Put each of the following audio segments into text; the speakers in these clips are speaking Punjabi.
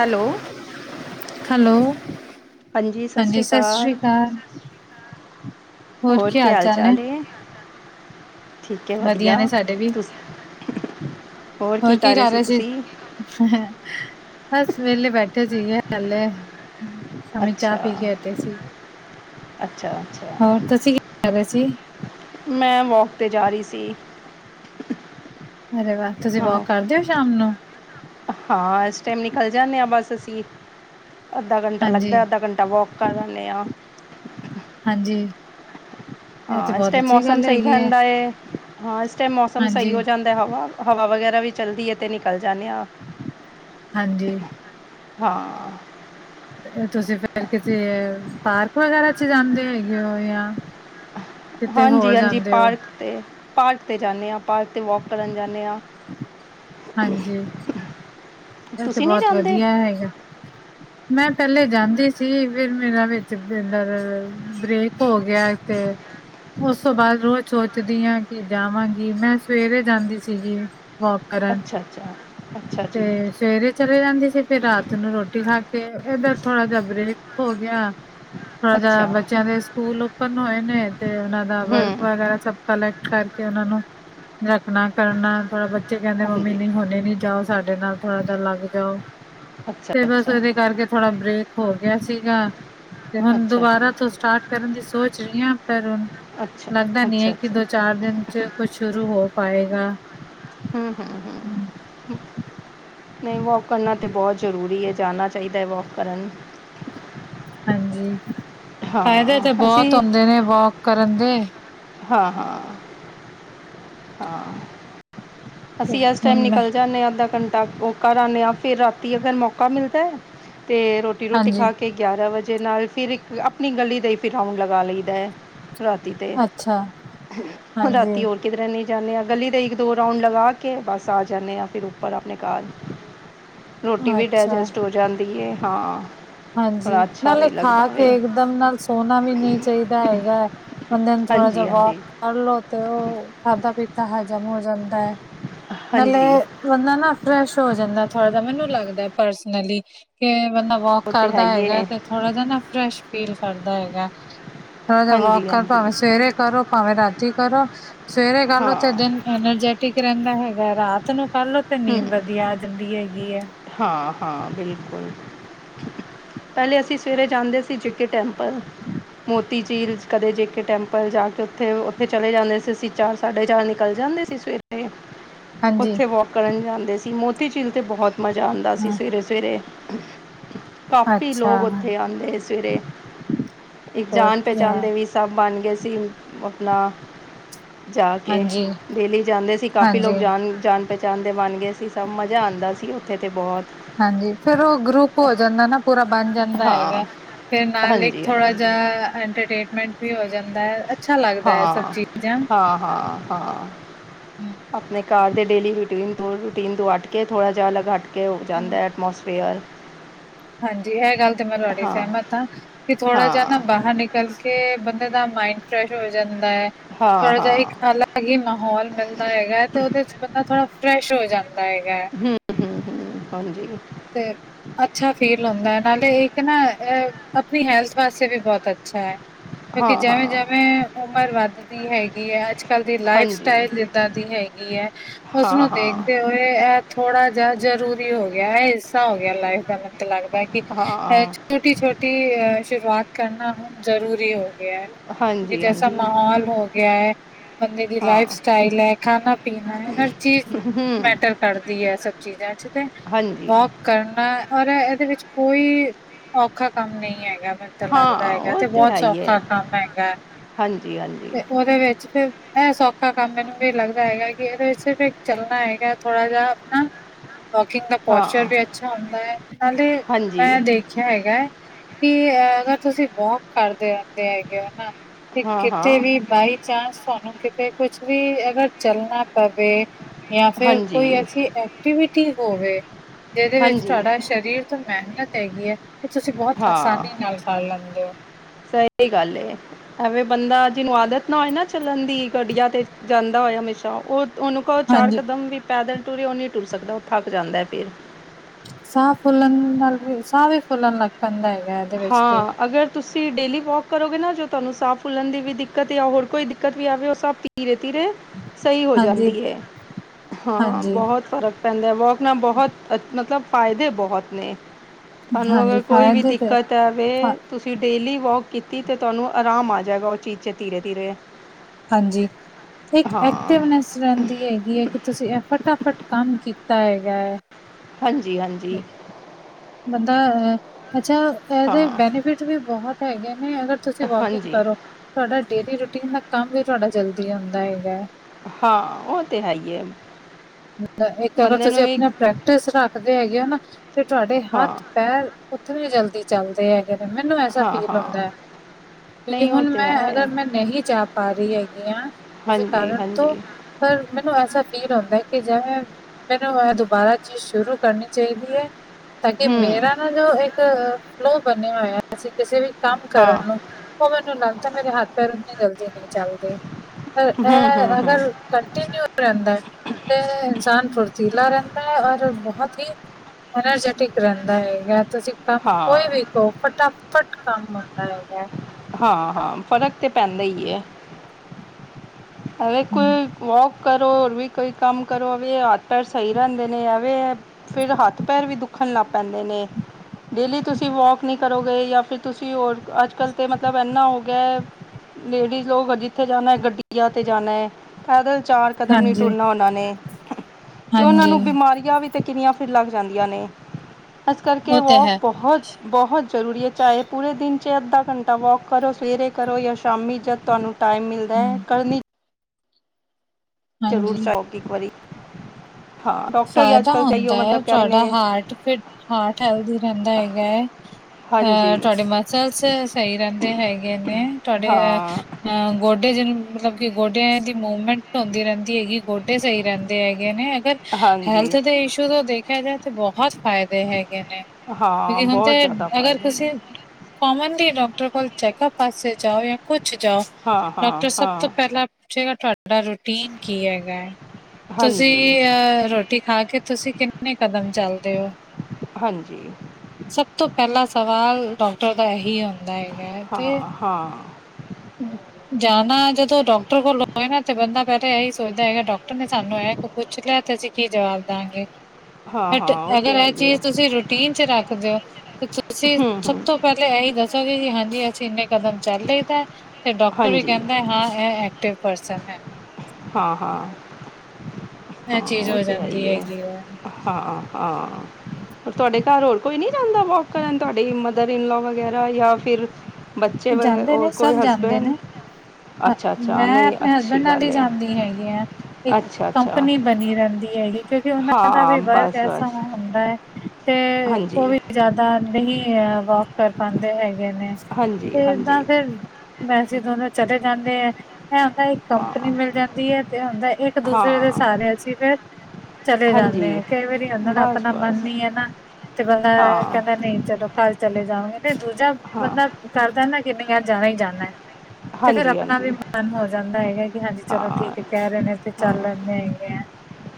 ਹੈਲੋ, ਹੈਲੋ, ਹਾਂਜੀ ਸਤਿ ਸ਼੍ਰੀ ਅਕਾਲ। ਹੋਰ ਕੀ ਹਾਲ ਚਾਲ ਨੇ? ਠੀਕ ਹੈ ਵਧੀਆ ਨੇ ਸਾਡੇ ਵੀ ਤੁਸ ਹੋਰ ਕੀ ਕਰ ਰਹੇ ਸੀ। ਬਸ ਵੇਹਲੇ ਬੈਠੇ ਸੀਗੇ ਸੀ ਹੱਲੇ। ਚਾਹ ਅੱਛਾ ਪੀ ਕੇ ਹਟੇ ਸੀਗੇ ਅੱਛਾ ਅੱਛਾ ਹੋਰ ਤੁਸੀਂ ਕੀ ਕਰ ਰਹੇ ਸੀ। ਮੈਂ ਵੋਕ ਤੇ ਜਾ ਰਹੀ ਸੀ। ਅਰੇ ਵਾਹ ਤੁਸੀਂ ਵੋਕ ਹਾਂ ਕਰ ਦੇ ਓ ਸ਼ਾਮ ਨੂੰ। ਹਾਂ, ਇਸ ਟਾਈਮ ਨਿਕਲ ਜਾਣੇ ਆ ਬਸ, ਅਸੀਂ ਅੱਧਾ ਘੰਟਾ ਹਾਂਜੀ ਲੱਗਦਾ ਅੱਧਾ ਘੰਟਾ ਵੋਕ ਕਰ ਦਿੰਦੇ ਆ। ਹਾਂਜੀ, ਇਹ ਤੇ ਹਾਂ, ਇਸ ਬਹੁਤ ਟਾਈਮ ਅੱਛੀ ਮੌਸਮ ਗੱਲ ਸਹੀ ਹੈਗੀ ਹੈ ਰਹਿੰਦਾ ਏ ਹਾਂ ਇਸ ਟਾਈਮ ਮੌਸਮ ਸਹੀ ਹਾਂਜੀ ਹੋ ਜਾਂਦਾ। ਹਵਾ ਹਵਾ, ਵਗੈਰਾ ਵੀ ਚਲਦੀ ਐ ਤੇ ਨਿਕਲ ਜਾਂਦੇ ਹਾਂ। ਹਾਂਜੀ, ਹਾਂ, ਤੁਸੀਂ ਫੇਰ ਕਿਤੇ ਪਾਰਕ ਵਗੈਰਾ ਚ ਜਾਂਦੇ ਹੈਗੇ ਹੋ ਜਾਂ। ਕਿਤੇ ਹੋਰ ਹਾਂਜੀ ਹਾਂਜੀ ਜਾਂਦੇ ਹੋ ਪਾਰਕ ਤੇ ਪਾਰਕ 'ਤੇ ਜਾਂਦੇ ਹਾਂ ਪਾਰਕ 'ਤੇ ਵੋਕ ਕਰਨ ਜਾਂਦੇ ਹਾਂ। ਹਾਂਜੀ, ਇਹ ਤੇ ਤੁਸੀਂ ਨਹੀਂ ਬਹੁਤ ਜਾਂਦੇ ਵਧੀਆ ਹੈਗਾ। ਮੈਂ ਪਹਿਲੇ ਜਾਂਦੀ ਸੀ ਫਿਰ ਮੇਰਾ ਵਿੱਚ ਅੰਦਰ ਬ੍ਰੇਕ ਹੋ ਗਿਆ ਤੇ ਉਸ ਤੋਂ ਬਾਅਦ ਰੋਜ਼ ਸੋਚਦੀ ਆ ਕਿ ਜਾਵਾਂਗੀ ਮੈਂ ਸਵੇਰੇ ਜਾਂਦੀ ਸੀਗੀ। ਵੋਕ ਕਰਨ ਅੱਛਾ ਅੱਛਾ ਅੱਛਾ ਜੀ। ਤੇ ਸਵੇਰੇ ਚਲੇ ਜਾਂਦੀ ਸੀ ਫਿਰ ਰਾਤ ਨੂੰ ਰੋਟੀ ਖਾ ਕੇ ਇੱਧਰ ਥੋੜਾ ਜਬਰੇ ਹੋ ਗਿਆ। ਥੋੜਾ ਜਿਹਾ ਅੱਛਾ ਬੱਚਿਆਂ ਦੇ ਸਕੂਲ ਓਪਨ ਹੋਏ ਨੇ ਤੇ ਉਹਨਾਂ ਦਾ ਵਰਕ ਹੂੰ ਵਗੈਰਾ ਸਭ ਕਲੈਕਟ ਕਰਕੇ ਉਹਨਾ ਨੂੰ ਰੱਖਣਾ ਕਰਨਾ ਥੋੜਾ ਬੱਚੇ ਕਹਿੰਦੇ ਮੰਮੀ ਹਾਂਜੀ ਨੀ ਹੁਣੇ ਨੀ ਜਾਓ। ਸਾਡੇ ਨਾਲ ਥੋੜ੍ਹਾ ਜਾ ਲੱਗ ਜਾਓ। ਅੱਛਾ, ਬਸ ਅੱਛਾ ਉਹਦੇ ਕਰਕੇ ਥੋੜਾ ਬ੍ਰੇਕ ਹੋ ਗਿਆ ਸੀਗਾ। ਤੇ ਹੁਣ ਅੱਛਾ ਜੀ ਦੁਬਾਰਾ ਤੋਂ ਸਟਾਰਟ ਕਰਨ ਦੀ ਸੋਚ ਰਹੀ ਹਾਂ ਪਰ ਹੁਣ। ਅੱਛਾ ਲੱਗਦਾ ਨੀ ਐ ਅੱਛਾ ਕਿ ਅੱਛਾ ਦੋ ਚਾਰ ਦਿਨ ਚ ਕੁਝ ਸ਼ੁਰੂ ਹੋ ਪਾਏਗਾ। ਹੂੰ ਹੂੰ ਹੂੰ, ਨਹੀਂ ਵੋਕ ਕਰਨਾ ਤਾਂ ਬਹੁਤ ਜ਼ਰੂਰੀ ਹੈ ਜਾਣਾ ਚਾਹੀਦਾ ਹੈ ਵੋਕ ਕਰਨ। ਹਾਂਜੀ, ਫਾਇਦੇ ਤੇ ਹਾਂ ਅਸੀਂ ਬਹੁਤ ਹੁੰਦੇ ਨੇ ਵਾਕ ਕਰਨ ਦੇ। ਹਾਂ ਹਾਂ ਹਾਂ। ਤੇ ਅਸੀਂ ਇਸ ਟਾਈਮ ਹੁਣ ਮੈਂ ਨਿਕਲ ਜਾਣੇ ਆ। ਤਾਂ ਉਹ ਘਰ ਆਣੇ ਫਿਰ ਆ ਫਿਰ ਰਾਤੀ ਅ ਫਿਰ ਮੌਕਾ ਮਿਲਦਾ ਤੇ ਰੋਟੀ ਰੋਟੀ ਹਾਂਜੀ ਖਾ ਕੇ। ਗਿਆਰਾਂ ਵਜੇ ਨਾਲ ਫਿਰ ਇੱਕ ਆਪਣੀ ਗਲੀ ਦਾ ਹੀ ਫ ਰਾਂਊਡ ਲਗਾ ਲਈਦਾ। ਰਾਤੀ ਤੇ ਅੱਛਾ ਹਾਂਜੀ ਰਾਤੀ ਹੋਰ ਕਿਧਰ ਨੀ ਜਾਣੇ ਆ ਗਲੀ ਤੇ ਇੱਕ ਦੋ ਰਾਊਂਡ ਲਗਾ ਕੇ ਬਸ ਆ ਜਾਣੇ ਆ ਫਿਰ ਉੱਪਰ ਆਪਣੇ ਘਰ ਰੋਟੀ ਵੀ ਅੱਛਾ। ਡਟ ਹੋ। ਜਾਂਦੀ ਐ ਹਾਂ। ਥੋੜ੍ਹਾ ਹਾਂਜੀ‌‌। ਅੱਛਾ ਨਾਲੇ ਵੀ ਲੱਗਦਾ ਵੇ ਖਾਕੇ ਇੱਕਦਮ ਨਾਲ ਸੋਣਾ ਵੀ ਨਹੀਂ ਚਾਹੀਦਾ, ਹੈਗਾ ਹੈ। ਬੰਦੇ ਨ ਥੋੜਾ ਜਾ, ਹਾਂਜੀ ਵੌਕ ਹਾਂਜੀ ਕਰਲਓ ਤੇ ਉਹ ਖਾਧਾ-ਪੀਤਾ ਹਜਮ ਹੋ ਜਾਂਦਾ ਹੈ, ਨਾਲੇ ਹਾਂਜੀ ਬੰਦਾ ਨਾ ਫਰੈਸ਼ ਹੋ ਜਾਂਦਾ ਥੋੜਾ ਜਾ, ਮੈਨੂੰ ਲੱਗਦਾ ਪਰਸਨਲੀ ਕਿ ਬੰਦਾ ਬਹੁਤ ਉਹ ਤਾਂ ਹੈ ਕਰਦਾ ਹੀ ਹੈਗਾ, ਹੈ ਤੇ ਥੋੜਾ ਜਾ ਨਾ ਫਰੈਸ਼ ਫੀਲ ਕਰਦਾ ਹੈਗਾ। ਥੋੜਾ ਜਾ ਵੌਕ ਹਾਂਜੀ ਕਰਦਾ ਹਾਂਜੀ ਹੋਵੇ, ਸਵੇਰੇ ਕਰੋ ਭਾਵੇਂ ਰਾਤੀ ਕਰੋ, ਸਵੇਰੇ ਕਰਲੋ ਹਾਂ ਤੇ ਦਿਨ ਐਨਰਜੈਟਿਕ ਰਹਿੰਦਾ ਹੈਗਾ, ਰਾਤ ਨੂੰ ਕਰਲੋ, ਤੇ ਨੀਂਦ ਵਧੀਆ ਆ ਜਾਂਦੀ ਹੈਗੀ ਹੈ। ਹਾਂ-ਹਾਂ, ਬਿਲਕੁਲ। ਪਹਿਲੇ ਅਸੀਂ ਸਵੇਰੇ ਜਾਂਦੇ ਸੀ, ਜੀਕੇ ਟੈਂਪਲ। ਮੋਤੀ ਝੀਲ'ਚ ਕਦੇ ਜੇਕੇ ਟੈਂਪਲ ਜਾਕੇ ਉੱਥੇ, ਉੱਥੇ ਚਲੇ ਜਾਂਦੇ ਸੀ ਅਸੀਂ ਚਾਰ, ਸਾਢੇ-ਚਾਰ ਨਿਕਲ ਜਾਂਦੇ ਸੀ। ਸਵੇਰੇ। ਹਾਂਜੀ ਉੱਥੇ ਵੌਕ ਕਰਨ ਜਾਂਦੇ ਸੀ, ਮੋਤੀ ਝੀਲ ਤੇ ਬਹੁਤ ਮਜ਼ਾ ਆਉਂਦਾ ਸੀ। ਹਾਂ ਸਵੇਰੇ ਸਵੇਰੇ ਕਾਫੀ ਅੱਛਾ ਲੋਕ ਉੱਥੇ ਆਂਦੇ ਸਵੇਰੇ, ਇੱਕ ਹਾਂਜੀ ਜਾਣ-ਪਹਿਚਾਣ ਦੇ ਵੀ ਸਭ ਬਣਗੇ ਸੀ, ਅਂ ਅਪਨਾ ਜਾਕੇ ਹਾਂਜੀ ਡੇਲੀ ਜਾਂਦੇ ਸੀ। ਕਾਫ਼ੀ ਲੋਕ ਹਾਂਜੀ ਜਾਣ, ਜਾਣ ਪਹਿਚਾਨ ਦੇ ਬਣਗੇ ਸੀ ਸਭ, ਮਜ਼ਾ ਆਂਦਾ ਸੀ ਉੱਥੇ ਤੇ ਬਹੁਤ। ਹਾਂਜੀ, ਫਿਰ ਉਹ ਗ੍ਰੂਪ ਹੋ ਜਾਂਦਾ ਨਾ, ਪੂਰਾ ਬਣ ਜਾਂਦਾ ਹੈਗਾ, ਹਾਂ ਫਿਰ ਨਾਲ ਇੱਕ ਹਾਂਜੀ ਹਾਂਜੀ ਥੋੜ੍ਹਾ ਜਾ ਐੰਟਰਟੇਨਮੇਂਟ ਵੀ ਹੋ ਜਾਂਦਾ ਐ। ਹਾ‌, ਹਾਂ-ਹਾਂ-ਹਾਂ। ਆਪਣੇ ਘਰ ਦੇ ਡੇਲੀ ਰੂਟੀਨ ਤੋਂ, ਰੂਟੀਨ ਤੋਂ ਹੱਟਕੇ ਥੋੜ੍ਹਾ ਜਿਹਾ ਅਲਗ ਹੱਟਕੇ ਹੋ ਹੂੰ। ਜਾਂਦੈ। ਮੌਸਫਿਅਰ ਹਾਂਜੀ, ਐ ਗੱਲ ਤੇ ਮੈਂ ਤੁਹਾਡੀ ਸਹਿਮਤ ਹਾਂ, ਕਿ ਥੋੜਾ ਜਿਹਾ ਨਾ ਹਾਂ ਬਾਹਰ ਨਿਕਲ ਨੀਕਨਕੇ ਬੰਦੇ ਦਾ ਮਾਇੰਡ ਫਰੈਸ਼ ਹੋ ਜਾਂਦਾ ਹੈ, ਹਾਂ ਥੋੜਾ ਜਿਹਾ ਹਾਂ ਇੱਕ ਹਲੱ ਅਗੀ ਮਾਹੌਲ ਮਿਲਦਾ ਹੈਗਾ ਹੈ, ਤੇ ਉਹਦੇ'ਚ ਬੰਦਾ ਥੋੜ੍ਹਾ ਫਰੈਸ਼ ਹੋ ਜਾਂਦਾ ਹੈਗਾ ਏ। ਹੂੰ, ਹੂੰ, ਹੂੰ, ਹਾਂਜੀ। ਤੇਲ ਅੱਛਾ ਫੀਲ ਹੁੰਦਾ ਹੈ, ਨਾਲੇ ਇੱਕ ਨਾ ਆਪਣੀ ਹੈਲਥ ਵਾਸਤੇ ਵੀ ਬਹੁਤ ਅੱਛਾ ਐ। ਹਾਂ ਕਿਉਂਕੀ ਹਾਂ ਜੈਂਵੇਂ-ਜੈਂਵੇਂ ਉਮਰ ਵੱਧ ਦੀ ਹੈਗੀ ਐਂ, ਅੱਜ-ਕੱਲ੍ਹ ਦੀ ਹਾਂਜੀ ਲਾਈਫ-ਸਟਾਈਲ ਜਿੱਦਾਂ ਦੀ ਹੈਗੀ ਆ ਹਾਂ ਓਸਨੂੰ ਹਾਂ ਦੇਖਦੇ ਹੋਏ, ਐ ਥੋੜਾ ਜਿਹਾ ਜ਼ਰੂਰੀ ਹੋ ਗਿਆ ਹੇਸ। ਹੋਗਿਆ ਲਾਈਫ ਦਾ, ਮੈਨੂੰ ਤਾਂ ਲੱਗਦਾ ਹੈ ਕਿ ਹਾਂ ਛੋਟੀ-ਛੋਟੀ, ਅ ਸ਼ੁਰੂਆਤ ਕਰਨਾ ਹੁਨ ਜ਼ਰੂਰੀ ਹੋ ਗਿਆ ਹੈ। ਕੀ, ਹਾਂਜੀ ਜੈਸਾ ਹਾਂਜੀ ਮਾਹੌਲ ਹੋ ਗਿਆ ਹੈ ਬੰਦੇ ਦੀ ਹਾਂ ਲਾਈਫ-ਸਟਾਈਲ ਐ, ਖਾਣਾ-ਪੀਣਾ ਏ, ਹਰ ਚੀਜ਼ ਮੈਟਰ ਕਰਦੀ ਐ, ਸਭ ਚੀਜ਼ਾਂ'ਚ ਤੇ। ਹਾਂਜੀ ਵੋਕ ਕਰਨਾ, ਔਰ ਇਹਦੇ ਵਿੱਚ ਕੋਈ, ਔਖਾ ਕੰਮ ਨਹੀਂ ਹੈਗਾ। ਮੈਨੂੰ ਲੱਗਦਾ ਹਾਂ ਹੈਗਾ, ਉਹ ਤੇ ਤਾਂ ਬਹੁਤ ਹੈ ਹੀ ਹੈ ਸੌਖਾ ਕੰਮ ਹੈਗਾ, ਹਾਂਜੀ ਹਾਂਜੀ ਤੇ ਉਹਦੇ ਵਿੱਚ ਫ ਐ, ਸੌਖਾ ਕੰਮ ਮੈਨੂੰ ਵੀ ਲੱਗਦਾ ਹੈਗਾ ਕਿ, ਇਹਦੇ ਵਿੱਚ ਸਿਰਫ਼ ਇੱਕ ਚੱਲਣਾ ਹੈਗਾ ਥੋੜਾ ਜਿਹਾ, ਅਪਨਾ। ਵੌਕਿੰਗ ਦਾ ਹਾਂ ਪੌਸ਼ਚਰ ਵੀ ਅੱਛਾ ਹੁੰਦਾ ਹੈ, ਨਾਲੇ ਹਾਂਜੀ ਮੈਂ ਦੇਖ ਅੱਛਾ ਹੈਗਾ, ਕਿ ਅ ਅਗਰ ਤੁਸੀਂ ਵੌਕ ਕਰਦੇ ਹੁੰਦੇ ਹੈਗੇ ਹਨਾ, ਤੇ ਹਾਂ ਕਿਤੇ ਹਾਂ ਵੀ ਬਾਈ ਚਾਂਸ, ਤੁਹਾਨੂੰ ਕਿਤੇ ਕੁਛ ਵੀ ਅਗਰ ਚੱਲਣਾ ਪਵੇ ਯਾ ਫਿਰ, ਕੋਈ ਹਾਂਜੀ ਐਸੀ ਐਕਟੀਵਿਟੀ ਹੋਵੇ ਜਿਹਦੇ ਵਿੱਚ ਹਾਂਜੀ ਤੁਹਾਡਾ ਸਰੀਰ ਤੋਂ ਮਿਹਨਤ ਹੈਗੀ ਹੈ, ਅਤੇ ਤੁਸੀਂ ਬਹੁਤ ਹਾਂ ਆਸਾਨੀ ਨਾਲ ਕਰ ਲੈਂਦੇ ਹੋ। ਸਹੀ ਗੱਲ ਏ। ਐਵੇਂ ਬੰਦਾ, ਜਿਹਨੂੰ ਆਦਤ ਨਾ ਹੋਏ ਨਾ ਚੱਲਣ ਦੀ, ਗੱਡੀਆ ਤੇ ਜਾਂਦਾ ਹੋਏ ਹਮੇਸ਼ਾ ਉਹ ਉਹਨੂੰ ਕਹੋ, ਚਾਰ ਹਾਂਜੀ ਕਦਮ ਵੀ ਪੈਦਲ ਟੁਰੇ, ਉਹ ਨਹੀਂ ਟੁਰ ਸਕਦਾ ਉਹ ਥੱਕ ਜਾਂਦਾ ਫਿਰ। ਸਾ ਫੁੱਲਣ--ਨਾਲ ਵੀ, ਸਾਹ ਵੀ ਫੁੱਲਨ ਲੱਗ ਪੈਂਦਾ ਹੈਗਾ। ਵਿੱਚ ਤੇ ਹਾਂ, ਅਗਰ ਤੁਸੀਂ ਡੇਲੀ ਵੌਕ ਕਰੋਗੇ ਨਾ, ਜੋ ਤੁਹਾਨੂੰ ਸਾਹ ਫੁੱਲਣ ਦੀ ਵੀ ਦਿੱਕਤ ਯਾਂ, ਹੋਰ ਕੋਈ ਦਿੱਕਤ ਵੀ ਆਵੇ ਉਹ ਸਭ ਧੀਰੇ-ਧੀਰੇ ਸਹੀ ਹੋ ਹਾਂਜੀ ਜਾਂਦੀ ਹੈ, ਹਾਂ ਹਾਂਜੀ ਬਹੁਤ ਫ਼ਰਕ ਪੈਂਦਾ, ਵਾਕ ਬਹੁਤ, ਮਤਲਬ ਫ਼ਾਇਦੇ ਬਹੁਤ ਨੇ, ਸਾਨੂੰ ਹਾਂਜੀ ਅਗਰ ਕੋਈ ਵੀਖ ਫਾਇਦੇ ਤੇ ਪਤਾ ਵੇ ਫ ਤੁਸੀਂ ਤੁਸੀਂ ਡੇਲੀ ਵਾਕ ਕੀਤੀ, ਤਾਂ ਤੁਹਾਨੂੰ ਆਰਾਮ ਆ ਜਾਵੇਗਾ, ਉਹ ਚੀਜ਼ 'ਚ ਧੀਰੇ ਧੀਰੇ। ਹਾਂਜੀ ਇੱਕ ਹਾਂ ਐਕਟਿਵਨੈਸ ਰਹਿੰਦੀ ਹੈਗੀ ਹੈ, ਕਿ ਤੁਸੀਂ ਇਹ ਫਟਾਫਟ ਕੰਮ ਕੀਤਾ ਹੈਗਾ ਹੈ ਹਾਂਜੀ ਹਾਂਜੀ ਬੰਦਾ ਅ, ਅੱਛਾ ਇਹਦੇ ਹਾਂ ਬੈਨੀਫਿਟ ਵੀ ਬਹੁਤ ਹੈਗੇ ਨੇ, ਅਗਰ ਤੁਸੀਂ ਵੋਕਿੰਗ ਹਾਂਜੀ ਕਰੋ, ਤੁਹਾਡਾ ਡੇਲੀ ਰੂਟੀਨ ਦਾ ਕੰਮ ਵੀ ਤੁਹਾਡਾ ਜਲਦੀ ਹੁੰਦਾ ਹੈਗਾ ਹੈ ਹਾਂ, ਉਹ ਤੇ ਹੈ ਹੀ ਹੈ। ਇੱਕ ਅਗਰ ਬੰਦੇ ਤੁਸੀਂ ਨੂੰ ਇੱਕ ਆਪਣਾ ਪ੍ਰੈਕਟਿਸ ਰੱਖਦੇ ਹੈਗੇ ਹੋ ਨਾ, ਤੇ ਤੁਹਾਡੇ ਹਾਂ ਹੱਥ ਪੈਰ ਉਤਨੀ ਜਲਦੀ ਚੱਲਦੇ ਹੈਗੇ ਨੇ, ਮੈਨੂੰ ਐਸਾ ਹਾਂ ਫੀਲ ਹੁੰਦਾ ਹਾਂ ਹੈ। ਕਿਉਂਕਿ ਨਹੀਂ ਉਹ ਹੁਣ ਤਾਂ ਮੈਂ ਹੈ ਅਗਰ ਮੈਂ ਨਹੀਂ ਜਾ ਪਾ ਰਹੀ ਹੈਗੀ ਹਾਂ, ਕਿਸੇ ਹਾਂਜੀ ਕਾਰਨ ਤੋਂ ਹਾਂਜੀ ਪਰ, ਮੈਨੂੰ ਐਸਾ ਫੀਲ ਹੁੰਦਾ, ਕਿ ਜਿਵੇੈਂ ਮੈਨੂੰ ਇਹ ਦੁਬਾਰਾ, ਚੀਜ਼ ਸ਼ੁਰੂ ਕਰਨੀ ਚਾਹੀਦੀ ਹੈ। ਤਾਂ ਕਿ ਹੂੰ ਮੇਰਾ ਨਾ ਜੋ ਇੱਕ ਫਲੋ ਬਣਿਆ ਹੋਇਆ ਸੀ, ਕਿਸੇ ਵੀ ਕੰਮ ਹਾਂ ਕਰਨ ਨੂੰ ਉਹ ਮੈਨੂੰ ਲੱਗਦਾ ਮੇਰੇ ਹੱਥ ਪੈਰ ਇਨੇ ਜਲਦੀ ਨਹੀਂ ਚੱਲਦੇ, ਪਰ ਹੂੰ ਹੂੰ ਇਹ ਹੂੰ ਅਗਰ ਕੰਟੀਨਿਊ ਰਹਿੰਦਾ ਹੈ, ਤੇ ਇਨਸਾਨ ਫੁਰਤੀਲਾ ਰਹਿੰਦਾ ਹੈ, ਔਰ ਬਹੁਤ ਹੀ ਐਨਰਜੈਟਿਕ ਰਹਿੰਦਾ ਹੈਗਾ ਤੁਸੀਂ ਕੰਮ ਕੋਈ ਹਾਂ ਵੀ ਕਹੋ, ਫਟਾਫਟ ਕੰਮ ਹੁੰਦਾ ਹੈਗਾ। ਹਾਂ ਹਾਂ, ਫ਼ਰਕ ਤੇ ਪੈਂਦਾ ਹੀ ਹੈ। ਭਾਵੇਂ ਕੋਈ ਵਾਕ ਕਰੋ, ਹੋਰ ਵੀ ਕੋਈ ਕੰਮ ਕਰੋ, ਹੱਥ ਪੈਰ ਸਹੀ ਰਹਿੰਦੇ ਨੇ। ਐ, ਫਿਰ ਹੱਥ ਪੈਰ ਵੀ ਦੁੱਖਣ ਲੱਗ ਪੈਂਦੇ ਨੇ। ਡੇਲੀ ਤੁਸੀਂ ਵੋਕ ਨਹੀਂ ਕਰੋਗੇ ਜਾਂ ਫਿਰ ਤੁਸੀਂ ਹੋਰ ਅੱਜ ਕੱਲ੍ਹ ਤਾਂ ਮਤਲਬ ਇੰਨਾ ਹੋ ਗਿਆ, ਲੇਡੀਜ਼ ਲੋਕ, ਜਿੱਥੇ ਜਾਣਾ ਹੈ ਗੱਡੀ ਗੱਡਿਆਂ ਤੇ ਜਾਣਾ ਹੈ, ਪੈਦਲ ਚਾਰ ਕਦਮ ਨੀ ਹਾਂਜੀ, ਟੁਰਨਾ ਉਹਨਾਂ ਨੇ, ਤੇ ਉਹਨਾਂ ਹਾਂਜੀ ਨੂੰ ਬਿਮਾਰੀ ਵੀ ਤੇ ਕਿੰਨੀਆਂ ਫਿਰ ਲੱਗ ਜਾਂਦੀਆਂ ਨੇ, ਇਸ ਕਰਕੇ ਉਹ ਤੇ ਵੋਕ ਹੈ। ਬਹੁਤ ਬਹੁਤ ਜ਼ਰੂਰੀ ਹੈ, ਚਾਹੇ ਪੂਰੇ ਦਿਨ 'ਚ ਅੱਧਾ ਘੰਟਾ ਵਾਕ ਕਰੋ, ਸਵੇਰੇ ਕਰੋ ਜਾਂ ਸ਼ਾਮੀ, ਜਦ ਤੁਹਾਨੂੰ ਟਾਈਮ ਮਿਲਦਾ ਹੈ ਹਮ, ਕਰਨੀ ਜ਼ਰੂਰ ਹਾਂਜੀ, ਚੋ ਕਿ ਇੱਕ ਵਾਰੀ ਹਾਂ ਡਾਕਟਰ ਹੀ ਅੱਜ ਫਾਇਦਾ ਕੱਲ੍ਹ ਤਾਂ ਇਹੀਓ ਹੁੰਦਾ ਹੈ, ਮਤਲਬ ਕਹਿੰਦੇ ਤੁਹਾਡਾ ਨੇ ਹਾਰਟ ਫਿੱਟ, ਹਾਰਟ ਹੈਲਦੀ ਰਹਿੰਦਾ ਹੈਗਾ ਹੈ। ਹੈ ਹਾਂਜੀ ਤੁਹਾਡੇ ਮਸਲਸ ਸਹੀ ਰਹਿੰਦੇ ਹੈਗੇ ਨੇ, ਤੁਹਾਡੇ ਅ ਹਾਂ ਅਹ ਗੋਡੇ ਜਿਹਨੂੰ ਮਤਲਬ ਕਿ ਗੋਡਿਆਂ ਦੀ ਮੂਵਮੈਂਟ ਹੁੰਦੀ ਰਹਿੰਦੀ ਹੈਗੀ, ਗੋਡੇ ਸਹੀ ਰਹਿੰਦੇ ਹੈਗੇ ਨੇ ਅਗਰ ਹੈਲਥ ਹਾਂਜੀ ਦੇ ਇਸ਼ੂ ਤੋਂ ਦੇਖਿਆ ਜਾਏ ਤੇ ਬਹੁਤ ਫ਼ਾਇਦੇ ਹੈਗੇ ਨੇ, ਹਾਂ ਕਿਉਂਕਿ ਹੁਣ ਬਹੁਤ ਤੇ ਜ਼ਿਆਦਾ ਅਗਰ ਫਾਇਦੇ ਨੇ ਤੁਸੀਂ ਕੋਾਮਨਲੀ ਡਾਕਟਰ ਕੋਲ ਚੈੱਕਅਪ ਪਾਸੇ ਜਾਓ, ਜਾਂ ਕੁਛ ਜਾਓ ਹਾਂ ਹਾਂ ਡਾਕਟਰ ਸਭ ਤੋਂ ਹਾਂ ਪਹਿਲਾ ਪੁੱਛੇਗਾ ਤੁਹਾਡਾ ਤੁਹਾਡਾ ਰੂਟੀਨ ਕੀ ਹੈਗਾ ਹੈ, ਤੁਸੀਂ ਹਾਂਜੀ ਅਹ ਰੋਟੀ ਖਾ ਕੇ, ਤੁਸੀਂ ਕਿੰਨੇ ਕਦਮ ਚੱਲਦੇ ਹੋ। ਹਾਂਜੀ ਸਭ ਤੋਂ ਪਹਿਲਾਂ ਸਵਾਲ ਡਾਕਟਰ ਦਾ ਇਹੀ ਹੁੰਦਾ ਹੈਗਾ, ਹਾਂ ਤੇ ਹਾਂ ਹਾਂ। ਜਾਣਾ ਜਦੋਂ ਡਾਕਟਰ ਕੋਲ ਹੋਏ ਨਾ, ਤੇ ਬੰਦਾ ਪਹਿਲਾਂ ਇਹੀ ਸੋਚਦਾ ਹੈਗਾ ਡਾਕਟਰ ਨੇ ਸਾਨੂੰ ਇਹ ਪੁੱਛ ਲਿਆ, ਤੇ ਅਸੀਂ ਕੀ ਜਵਾਬ ਦਾਂਗੇ। ਹਾਂ ਹਾਂ ਉਹ ਤਾਂ ਅਗਰ ਹੈ ਇਹ ਹੀ ਹੈ ਚੀਜ਼ ਤੁਸੀਂ ਰੂਟੀਨ ਚ ਰੱਖਦੇ ਹੋ, ਤਾਂ ਤੁਸੀਂ ਸਭ ਹੂੰ ਤੋਂ ਪਹਿਲੇ ਇਹੀ ਦੱਸਾਂਗੇ, ਜੀ ਹਾਂਜੀ ਅਸੀਂ ਇੰਨੇ ਕਦਮ ਚੱਲ ਰਏ ਤਾਂ ਤੇ ਡਾਕਟਰ ਵੀ ਹਾਂਜੀ ਕਹਿੰਦਾ, ਹਾਂ ਇਹ ਐਕਟਿਵ ਪਰਸਨ ਹੈ। ਹਾਂ ਹਾਂ ਇਹ ਹਾਂ ਚੀਜ਼ ਉਹ ਹੋ ਤੇ ਹੈ ਜਾਂਦੀ ਹੀ ਹੈ‌ ਹੈਗੀ ਹੈ ਹਾਂ ਹਾਂ ਹਾਂ। ਤੁਹਾਡੇ ਘਰ ਹੋਰ ਕੋਈ ਨੀ ਜਾਦਾ ਵਾਕ ਕਰਨ, ਤੁਹਾਡੇ ਮਦਰ ਇਨ ਲਾ ਵਗੈਰਾ, ਜਾਂ ਫਿਰ ਬੱਚੇ ਵੈ ਜਾਂਦੇ ਹੋਰ ਨੇ ਕੋਈ ਸਭ ਜਾਂਦੇ ਨੇ ਹਸਬੈਂਡ, ਹਾਂ, ਅੱਛਾ ਅੱਛਾ ਮੈਂ ਨਹੀਂ ਆਪਣੇ ਅੱਛੀ ਹਸਬੈਂਡ ਨਾਲ ਹੀ ਗੱਲ ਹੈ। ਜਾਂਦੀ ਹੈਗੀ ਆ ਇੱਕ ਅੱਛਾ ਅੱਛਾ ਕੰਪਨੀ ਬਣੀ ਰਹਿੰਦੀ ਹੈਗੀ ਕਿਉਂਕਿ ਉਹਨਾਂ ਦਾ ਹਾਂ ਵੀ ਵਰਗ ਬਸ ਐਸਾ ਬਸ ਹੁੰਦਾ ਹੈ ਤੇ ਉਹ ਹਾਂਜੀ ਵੀ ਜ਼ਿਆਦਾ ਨਹੀਂ ਵਾਕ ਕਰ ਪਾਉਂਦੇ ਹੈਗੇ ਨੇ। ਤੇ ਹਾਂਜੀ ਹਾਂਜੀ ਏਦਾਂ ਫਿਰ ਵੈਸੇ ਦੋਨੋ ਚੱਲੇ ਜਾਂਦੇ ਹੈ ਇਹ ਹੁੰਦਾ। ਹਾਂ ਕੰਪਨੀ ਮਿਲ ਜਾਂਦੀ ਹੈ ਤੇ ਹੁੰਦਾ ਇੱਕ ਦੂਸਰੇ ਦੇ ਹਾਂ ਸਾਰੇ ਅਸੀ ਫਿਰ ਚੱਲੇ ਜਾਂਦੇ ਹਾਂਜੀ ਆ ਕਈ ਵਾਰੀ ਹਦਾ ਨਾ ਬਸ ਆਪਣਾ ਬਸ ਮਨ ਹੀ ਹੈ ਨਾ ਤੇ ਬੰਦਾ ਹਾਂ ਕਹਿੰਦਾ ਨਹੀਂ ਚੱਲੋ ਖੱਲ ਚਲੇ ਜਾਵਾਂਗੇ ਤੇ ਦੂਜਾ ਹਾਂ ਬੰਦਾ ਕਰਦਾ ਨਾ ਕਿੰਨੀ ਯਾਰ ਜਾਣਾ ਹੀ ਜਾਂਦਾ ਹੈ ਤੇ ਫਿਰ ਹਾਂਜੀ ਆਪਣਾ ਵੀ ਹਾਂਜੀ ਮਨ ਹੋ ਜਾਂਦਾ ਹੈਗਾ। ਹਾਂਜੀ ਚਲੋ ਹਾਂ ਠੀਕ ਹੈ ਕਹਿ ਰਹੇ ਨੇ ਤੇ ਹਾਂ ਚੱਲ ਰੈਂਦੇ ਹੈਗੇ ਆ।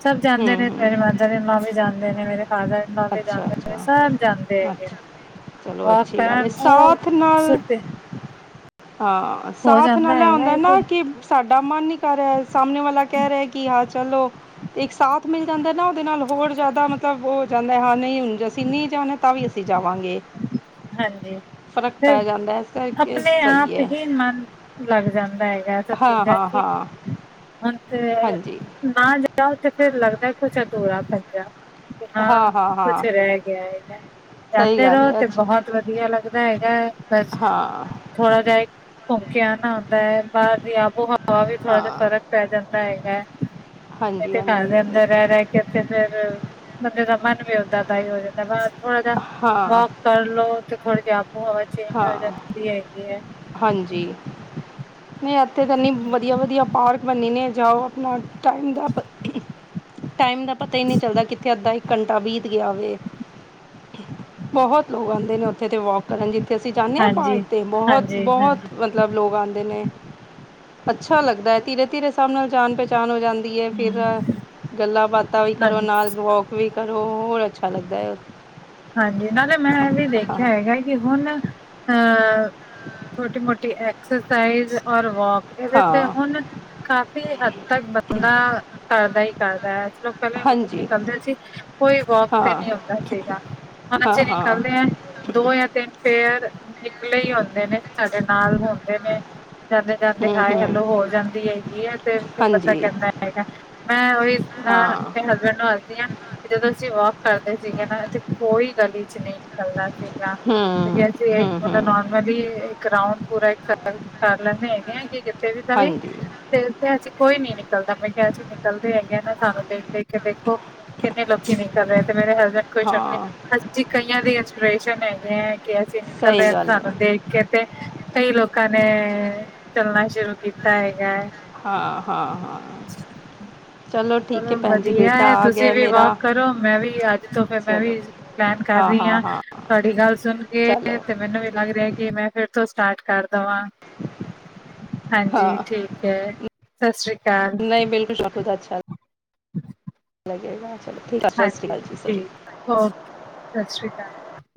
ਸਭ ਹੂੰ ਜਾਂਦੇ ਨੇ ਮੇਰੇ ਹੂੰ ਮਦਰ ਇੰਲੋ ਵੀ ਜਾਂਦੇ ਨੇ ਮੇਰੇ ਫਾਦਰਇੰਲੋ ਵੇ ਅੱਛਾ ਜਾਂਦੇ ਹੈ ਅੱਛਾ ਸਭ ਜਾਂਦੇ ਹੈਗੇ ਅੱਛਾ ਚਲੋ ਨੇ ਅੱਛੀ ਗੱਲ ਕਹਿਣ ਹੈ ਉਹ ਸਾਥ ਨਾਲ ਸੁੱਤੇ ਹਾਂ ਹੋ ਸਾਥ ਜਾਂਦਾ ਨਾਲ ਹੈਗਾ ਆਉਂਦਾ ਹੈ ਨਾ ਕਿ ਸਾਡਾ ਮਨ ਨੀ ਕਰ ਰਿਹਾ ਸਾਹਮਣੇ ਵਾਲਾ ਕਹਿ ਰਿਹਾ ਕਿ ਹਾਂ ਚੱਲੋ ਇੱਕ ਸਾਥ ਮਿਲ ਜਾਂਦਾ ਨਾ ਉਹਦੇ ਨਾਲ ਹੋਰ ਜ਼ਿਆਦਾ ਮਤਲਬ ਉਹ ਹੋ ਜਾਂਦਾ ਹਾਂ ਨਹੀਂ ਹੁਣੇ ਅਸੀਂ ਨਹੀਂ ਚਾਹੁੰਦੇ ਤਾਂ ਵੀ ਅਸੀਂ ਜਾਵਾਂਗੇ। ਹਾਂਜੀ ਫ਼ਰਕ ਫ਼ਿਰ ਪੈ ਜਾਂਦਾ ਇਸ ਕਰਕੇ ਆਪਣੇ ਸਹੀ ਆਪ ਹੈ ਹੀ ਮਨ ਲੱਗ ਜਾਂਦਾ ਹੈ। ਇਹ ਸਭ ਹਾਂ ਚੀਜ਼ ਹਾਂ ਸੀ ਹਾਂ ਹੁਣ ਤੇ ਹਾਂਜੀ ਨਾ ਜਾ ਤੇ ਫਿਰ ਲੱਗਦਾ ਕੁਛ ਅਧੂਰਾ ਪਿਆ। ਹਾਂ ਕੁਛ ਰਹਿ ਗਿਆ ਹੈਗਾ ਸਹੀ ਜਾਂਦੇ ਗੱਲ ਰਹੋ ਹੈ ਤੇ ਅੱਛਾ ਬਹੁਤ ਵਧੀਆ ਲੱਗਦਾ ਹੈਗਾ ਬਸ ਹਾਂ ਥੋੜਾ ਜਾ ਘੁੰਮ ਕੇ ਆਣਾ ਆਉਂਦਾ ਹੈ ਬਾਹਰ ਦੀ ਆਬੋ ਉਹ ਵੀ ਥੋੜਾ ਜਿਹਾ ਹਾਂ ਫ਼ਰਕ ਪੈ ਜਾਂਦਾ ਹੈਗਾ। ਹਾਂਜੀ ਇੱਥੇ ਘਰ ਹਾਂਜੀ ਰਹਿ ਰਹਿ ਕੇ ਅੰਦਰ ਬੰਦੇ ਦਾ ਮਨ ਵੀ ਉੱਦਾਂ ਦਾ ਹੀ ਹੋ ਜਾਂਦਾ ਬਸ ਥੋੜਾ ਜਿਹਾ ਹਾਂ ਵੋਕ ਕਰਲੋ ਤੇ ਥੋੜ੍ਹੀ ਜੀ ਆਬੋ ਹਵਾ ਚੇਂਜ ਹੋ ਹਾਂ ਜਾਂਦੀ ਹੈਗੀ ਹੈ। ਹਾਂਜੀ ਨਹੀਂ ਇੱਥੇ ਤਾਂ ਇੰਨੀ ਵਧੀਆ ਵਧੀਆ ਪਾਰਕ ਬੰਨੀ ਨੇ ਜਾਓ। ਟਾਈਮ ਦਾ ਪਤਾ ਹੀ ਨਹੀਂ ਚੱਲਦਾ ਕਿੱਥੇ ਅੱਧਾ ਇੱਕ ਘੰਟਾ ਬੀਤ ਗਿਆ ਵ ਬਹੁਤ ਲੋਕ ਆਉਂਦੇ ਨੇ ਉੱਥੇ ਤੇ ਵਾਕ ਕਰਨ। ਤਸੀਂ ਜਾਂਦੇ ਹਾਂ ਬਾਗ ਹਾਂਜੀ, 'ਤੇ ਬਹੁਤ ਹਾਂਜੀ, ਬਹੁਤ ਹਾਂਜੀ, ਮਤਲਬ ਲੋਕ ਆਉਂਦੇ ਨੇ ਅੱਛਾ ਲੱਗਦਾ ਹੈ ਧੀਰੇ ਧੀਰੇ ਸਭ ਨਾਲ ਜਾਣ ਪਹਿਚਾਣ ਹੋ ਜਾਂਦੀ ਫਿਰ ਹਮ ਗੱਲਾਂ ਬਾਤਾਂ ਵੀ ਕਰੋ ਹਾਂਜੀ। ਨਾਲ ਵੋਕ ਵੀ ਕਰੋ ਹੋਰ ਅੱਛਾ ਲੱਗਦਾ ਹੈ ਉੱਥੇ। ਹਾਂਜੀ ਨਾਲੇ ਮੈਂ ਇਹ ਵੀ ਹਾਂ ਦੇਖਿਆ ਹੈਗਾ ਕਿ ਹੁਣ ਅਹ ਛੋਟੀ ਮੋਟੀ ਐਕਸਰਸਾਈਜ਼ ਔਰ ਵਾਕ ਇਹਦੇ ਤੇ ਹਾਂ ਹੁਣ ਕਾਫ਼ੀ ਹੱਦ ਤੱਕ ਬੰਦਾ ਕਰਦਾ ਹੀ ਕਰਦਾ ਹੈ ਇਸ ਲੋਕ ਕਹਿਲੇ ਹਾਂਜੀ ਨਿਕਲਦੇ ਸੀ ਕੋਈ ਵੋਕ ਤੇ ਹਾਂ ਨੀ ਆਉਂਦਾ ਸੀਗਾ ਹੁਣ ਹਾਂ ਅਸੀਂ ਹਾਂ ਨਿਕਲਦੇ ਹਾ। ਦੋ ਜਾਂ ਤਿੰਨ ਫਿਰ ਨਿਕਲੇ ਹੀ ਆਉਦੇ ਨੇ ਸਾਡੇ ਨਾਲ ਹੁੰਦੇ ਨੇ। ਜਾਂਦੇ ਜਾਂਦੇ ਹੂੰ ਹਾਏ ਹੂੰ ਹਲੋ ਹੋ ਜਾਂਦੀ ਹੈਗੀ ਆ ਤੇ ਪਤਾ ਹਾਂਜੀ ਕਹਿੰਦਾ ਹੈਗਾ। ਮੈਂ ਉਹੀ ਹਾਂ ਮੈਨੂੰ ਤੁਹਾਨੂੰ ਦੱਸਦੀ ਹਾਂ, ਕਿ ਜਦੋਂ ਅਸੀਂ ਵਾਕ ਕਰਦੇ ਸੀਗੇ ਨਾ, ਇੱਥੇ ਕੋਈ ਗਲੀ ਚ ਨਹੀ ਚੱਲਦਾ ਸੀਗਾ, ਤੇ ਹੂੰ ਕਹਿੰਦੇ ਹੂੰ ਸੀ ਮਤਲਬ ਹੂੰ ਨ ਇਹ ਇੱਕ ਰਾਊਂਡ ਪੂਰਾ ਕਰ ਲੈਂਦੇ ਹੈਗੇ ਆ, ਕਿ ਕਿਤੇ ਵੀ ਤਾਂ ਵੀ ਹਾਂਜੀ ਤੇ ਉਥੇ ਅੱਜ ਕੋਈ ਨੀ ਨਿਕਲਦਾ, ਮੈਂ ਕਿਹਾ ਅਸੀ ਨਿਕਲਦੇ ਹੈਗੇ ਨਾ ਸਾਨੂੰ ਦੇਖ-ਦੇਖ ਕੇ ਦੇਖੋ ਕਿੰਨੇ ਲੋਕੀ ਨਿਕਲ ਰਹੇ, ਤੇ ਮੇਰੇ ਹਸਬੈਂਡ ਹਾਂ ਅਸੀਂ ਕਈਆਂ ਦੇ ਇੰਸਪੀਰੇਸ਼ਨ ਹੈਗੇ ਹੈ, ਕਿ ਅਸੀਂ ਨਿਕਲ ਸਹੀ ਰਹੇ ਗੱਲ ਹੈ ਸਾਨੂੰ ਦੇਖ ਕੇ ਤੇ, ਕਈ ਲੋਕਾਂ ਨੇ ਚੱਲਣਾ ਸ਼ੁਰੂ ਕੀਤਾ ਹੈਗਾ ਹੈ। ਹਾਂ-ਹਾਂ-ਹਾਂ ਚਲੋ ਵਧੀਆ ਹੈ, ਤੁਸੀਂ ਵੀ ਵਾਕ ਮੇਰਾ ਕਰੋ, ਮੈਂ ਵੀ ਅੱਜ ਤੋਂ ਫਿਰ ਮੈਂ ਚਲੋ ਵੀ ਪਲੈਨ ਕਰ ਰਹੀ ਹਾਂ, ਤੁਹਾਡੀ ਗੱਲ ਸੁਣ ਕੇ ਚਲੋ ਤੇ ਮੈਨੂੰ ਵੀ ਲੱਗ ਰਿਹਾ ਕਿ ਮੈਂ ਫਿਰ ਤੋਂ ਸਟਾਰਟ ਕਰਦਾ ਵਾਂ। ਹਾਂਜੀ, ਹਾਂ ਠੀਕ ਹੈ ਸਤਿ ਸ੍ਰੀ ਅਕਾਲ। ਬਿਲਕੁਲ [unintelligible] ਅੱਛਾ [inaudible] [inaudible] ਚਲੋ ਸਤਿ ਸ਼੍ਰੀ ਹਾਂਜੀ ਅਕਾਲ ਜੀ ਸਤਿ ਕਾਲ। ਠੀਕ ਓਕੇ ਸਤਿ ਸ਼੍ਰੀ ਅਕਾਲ।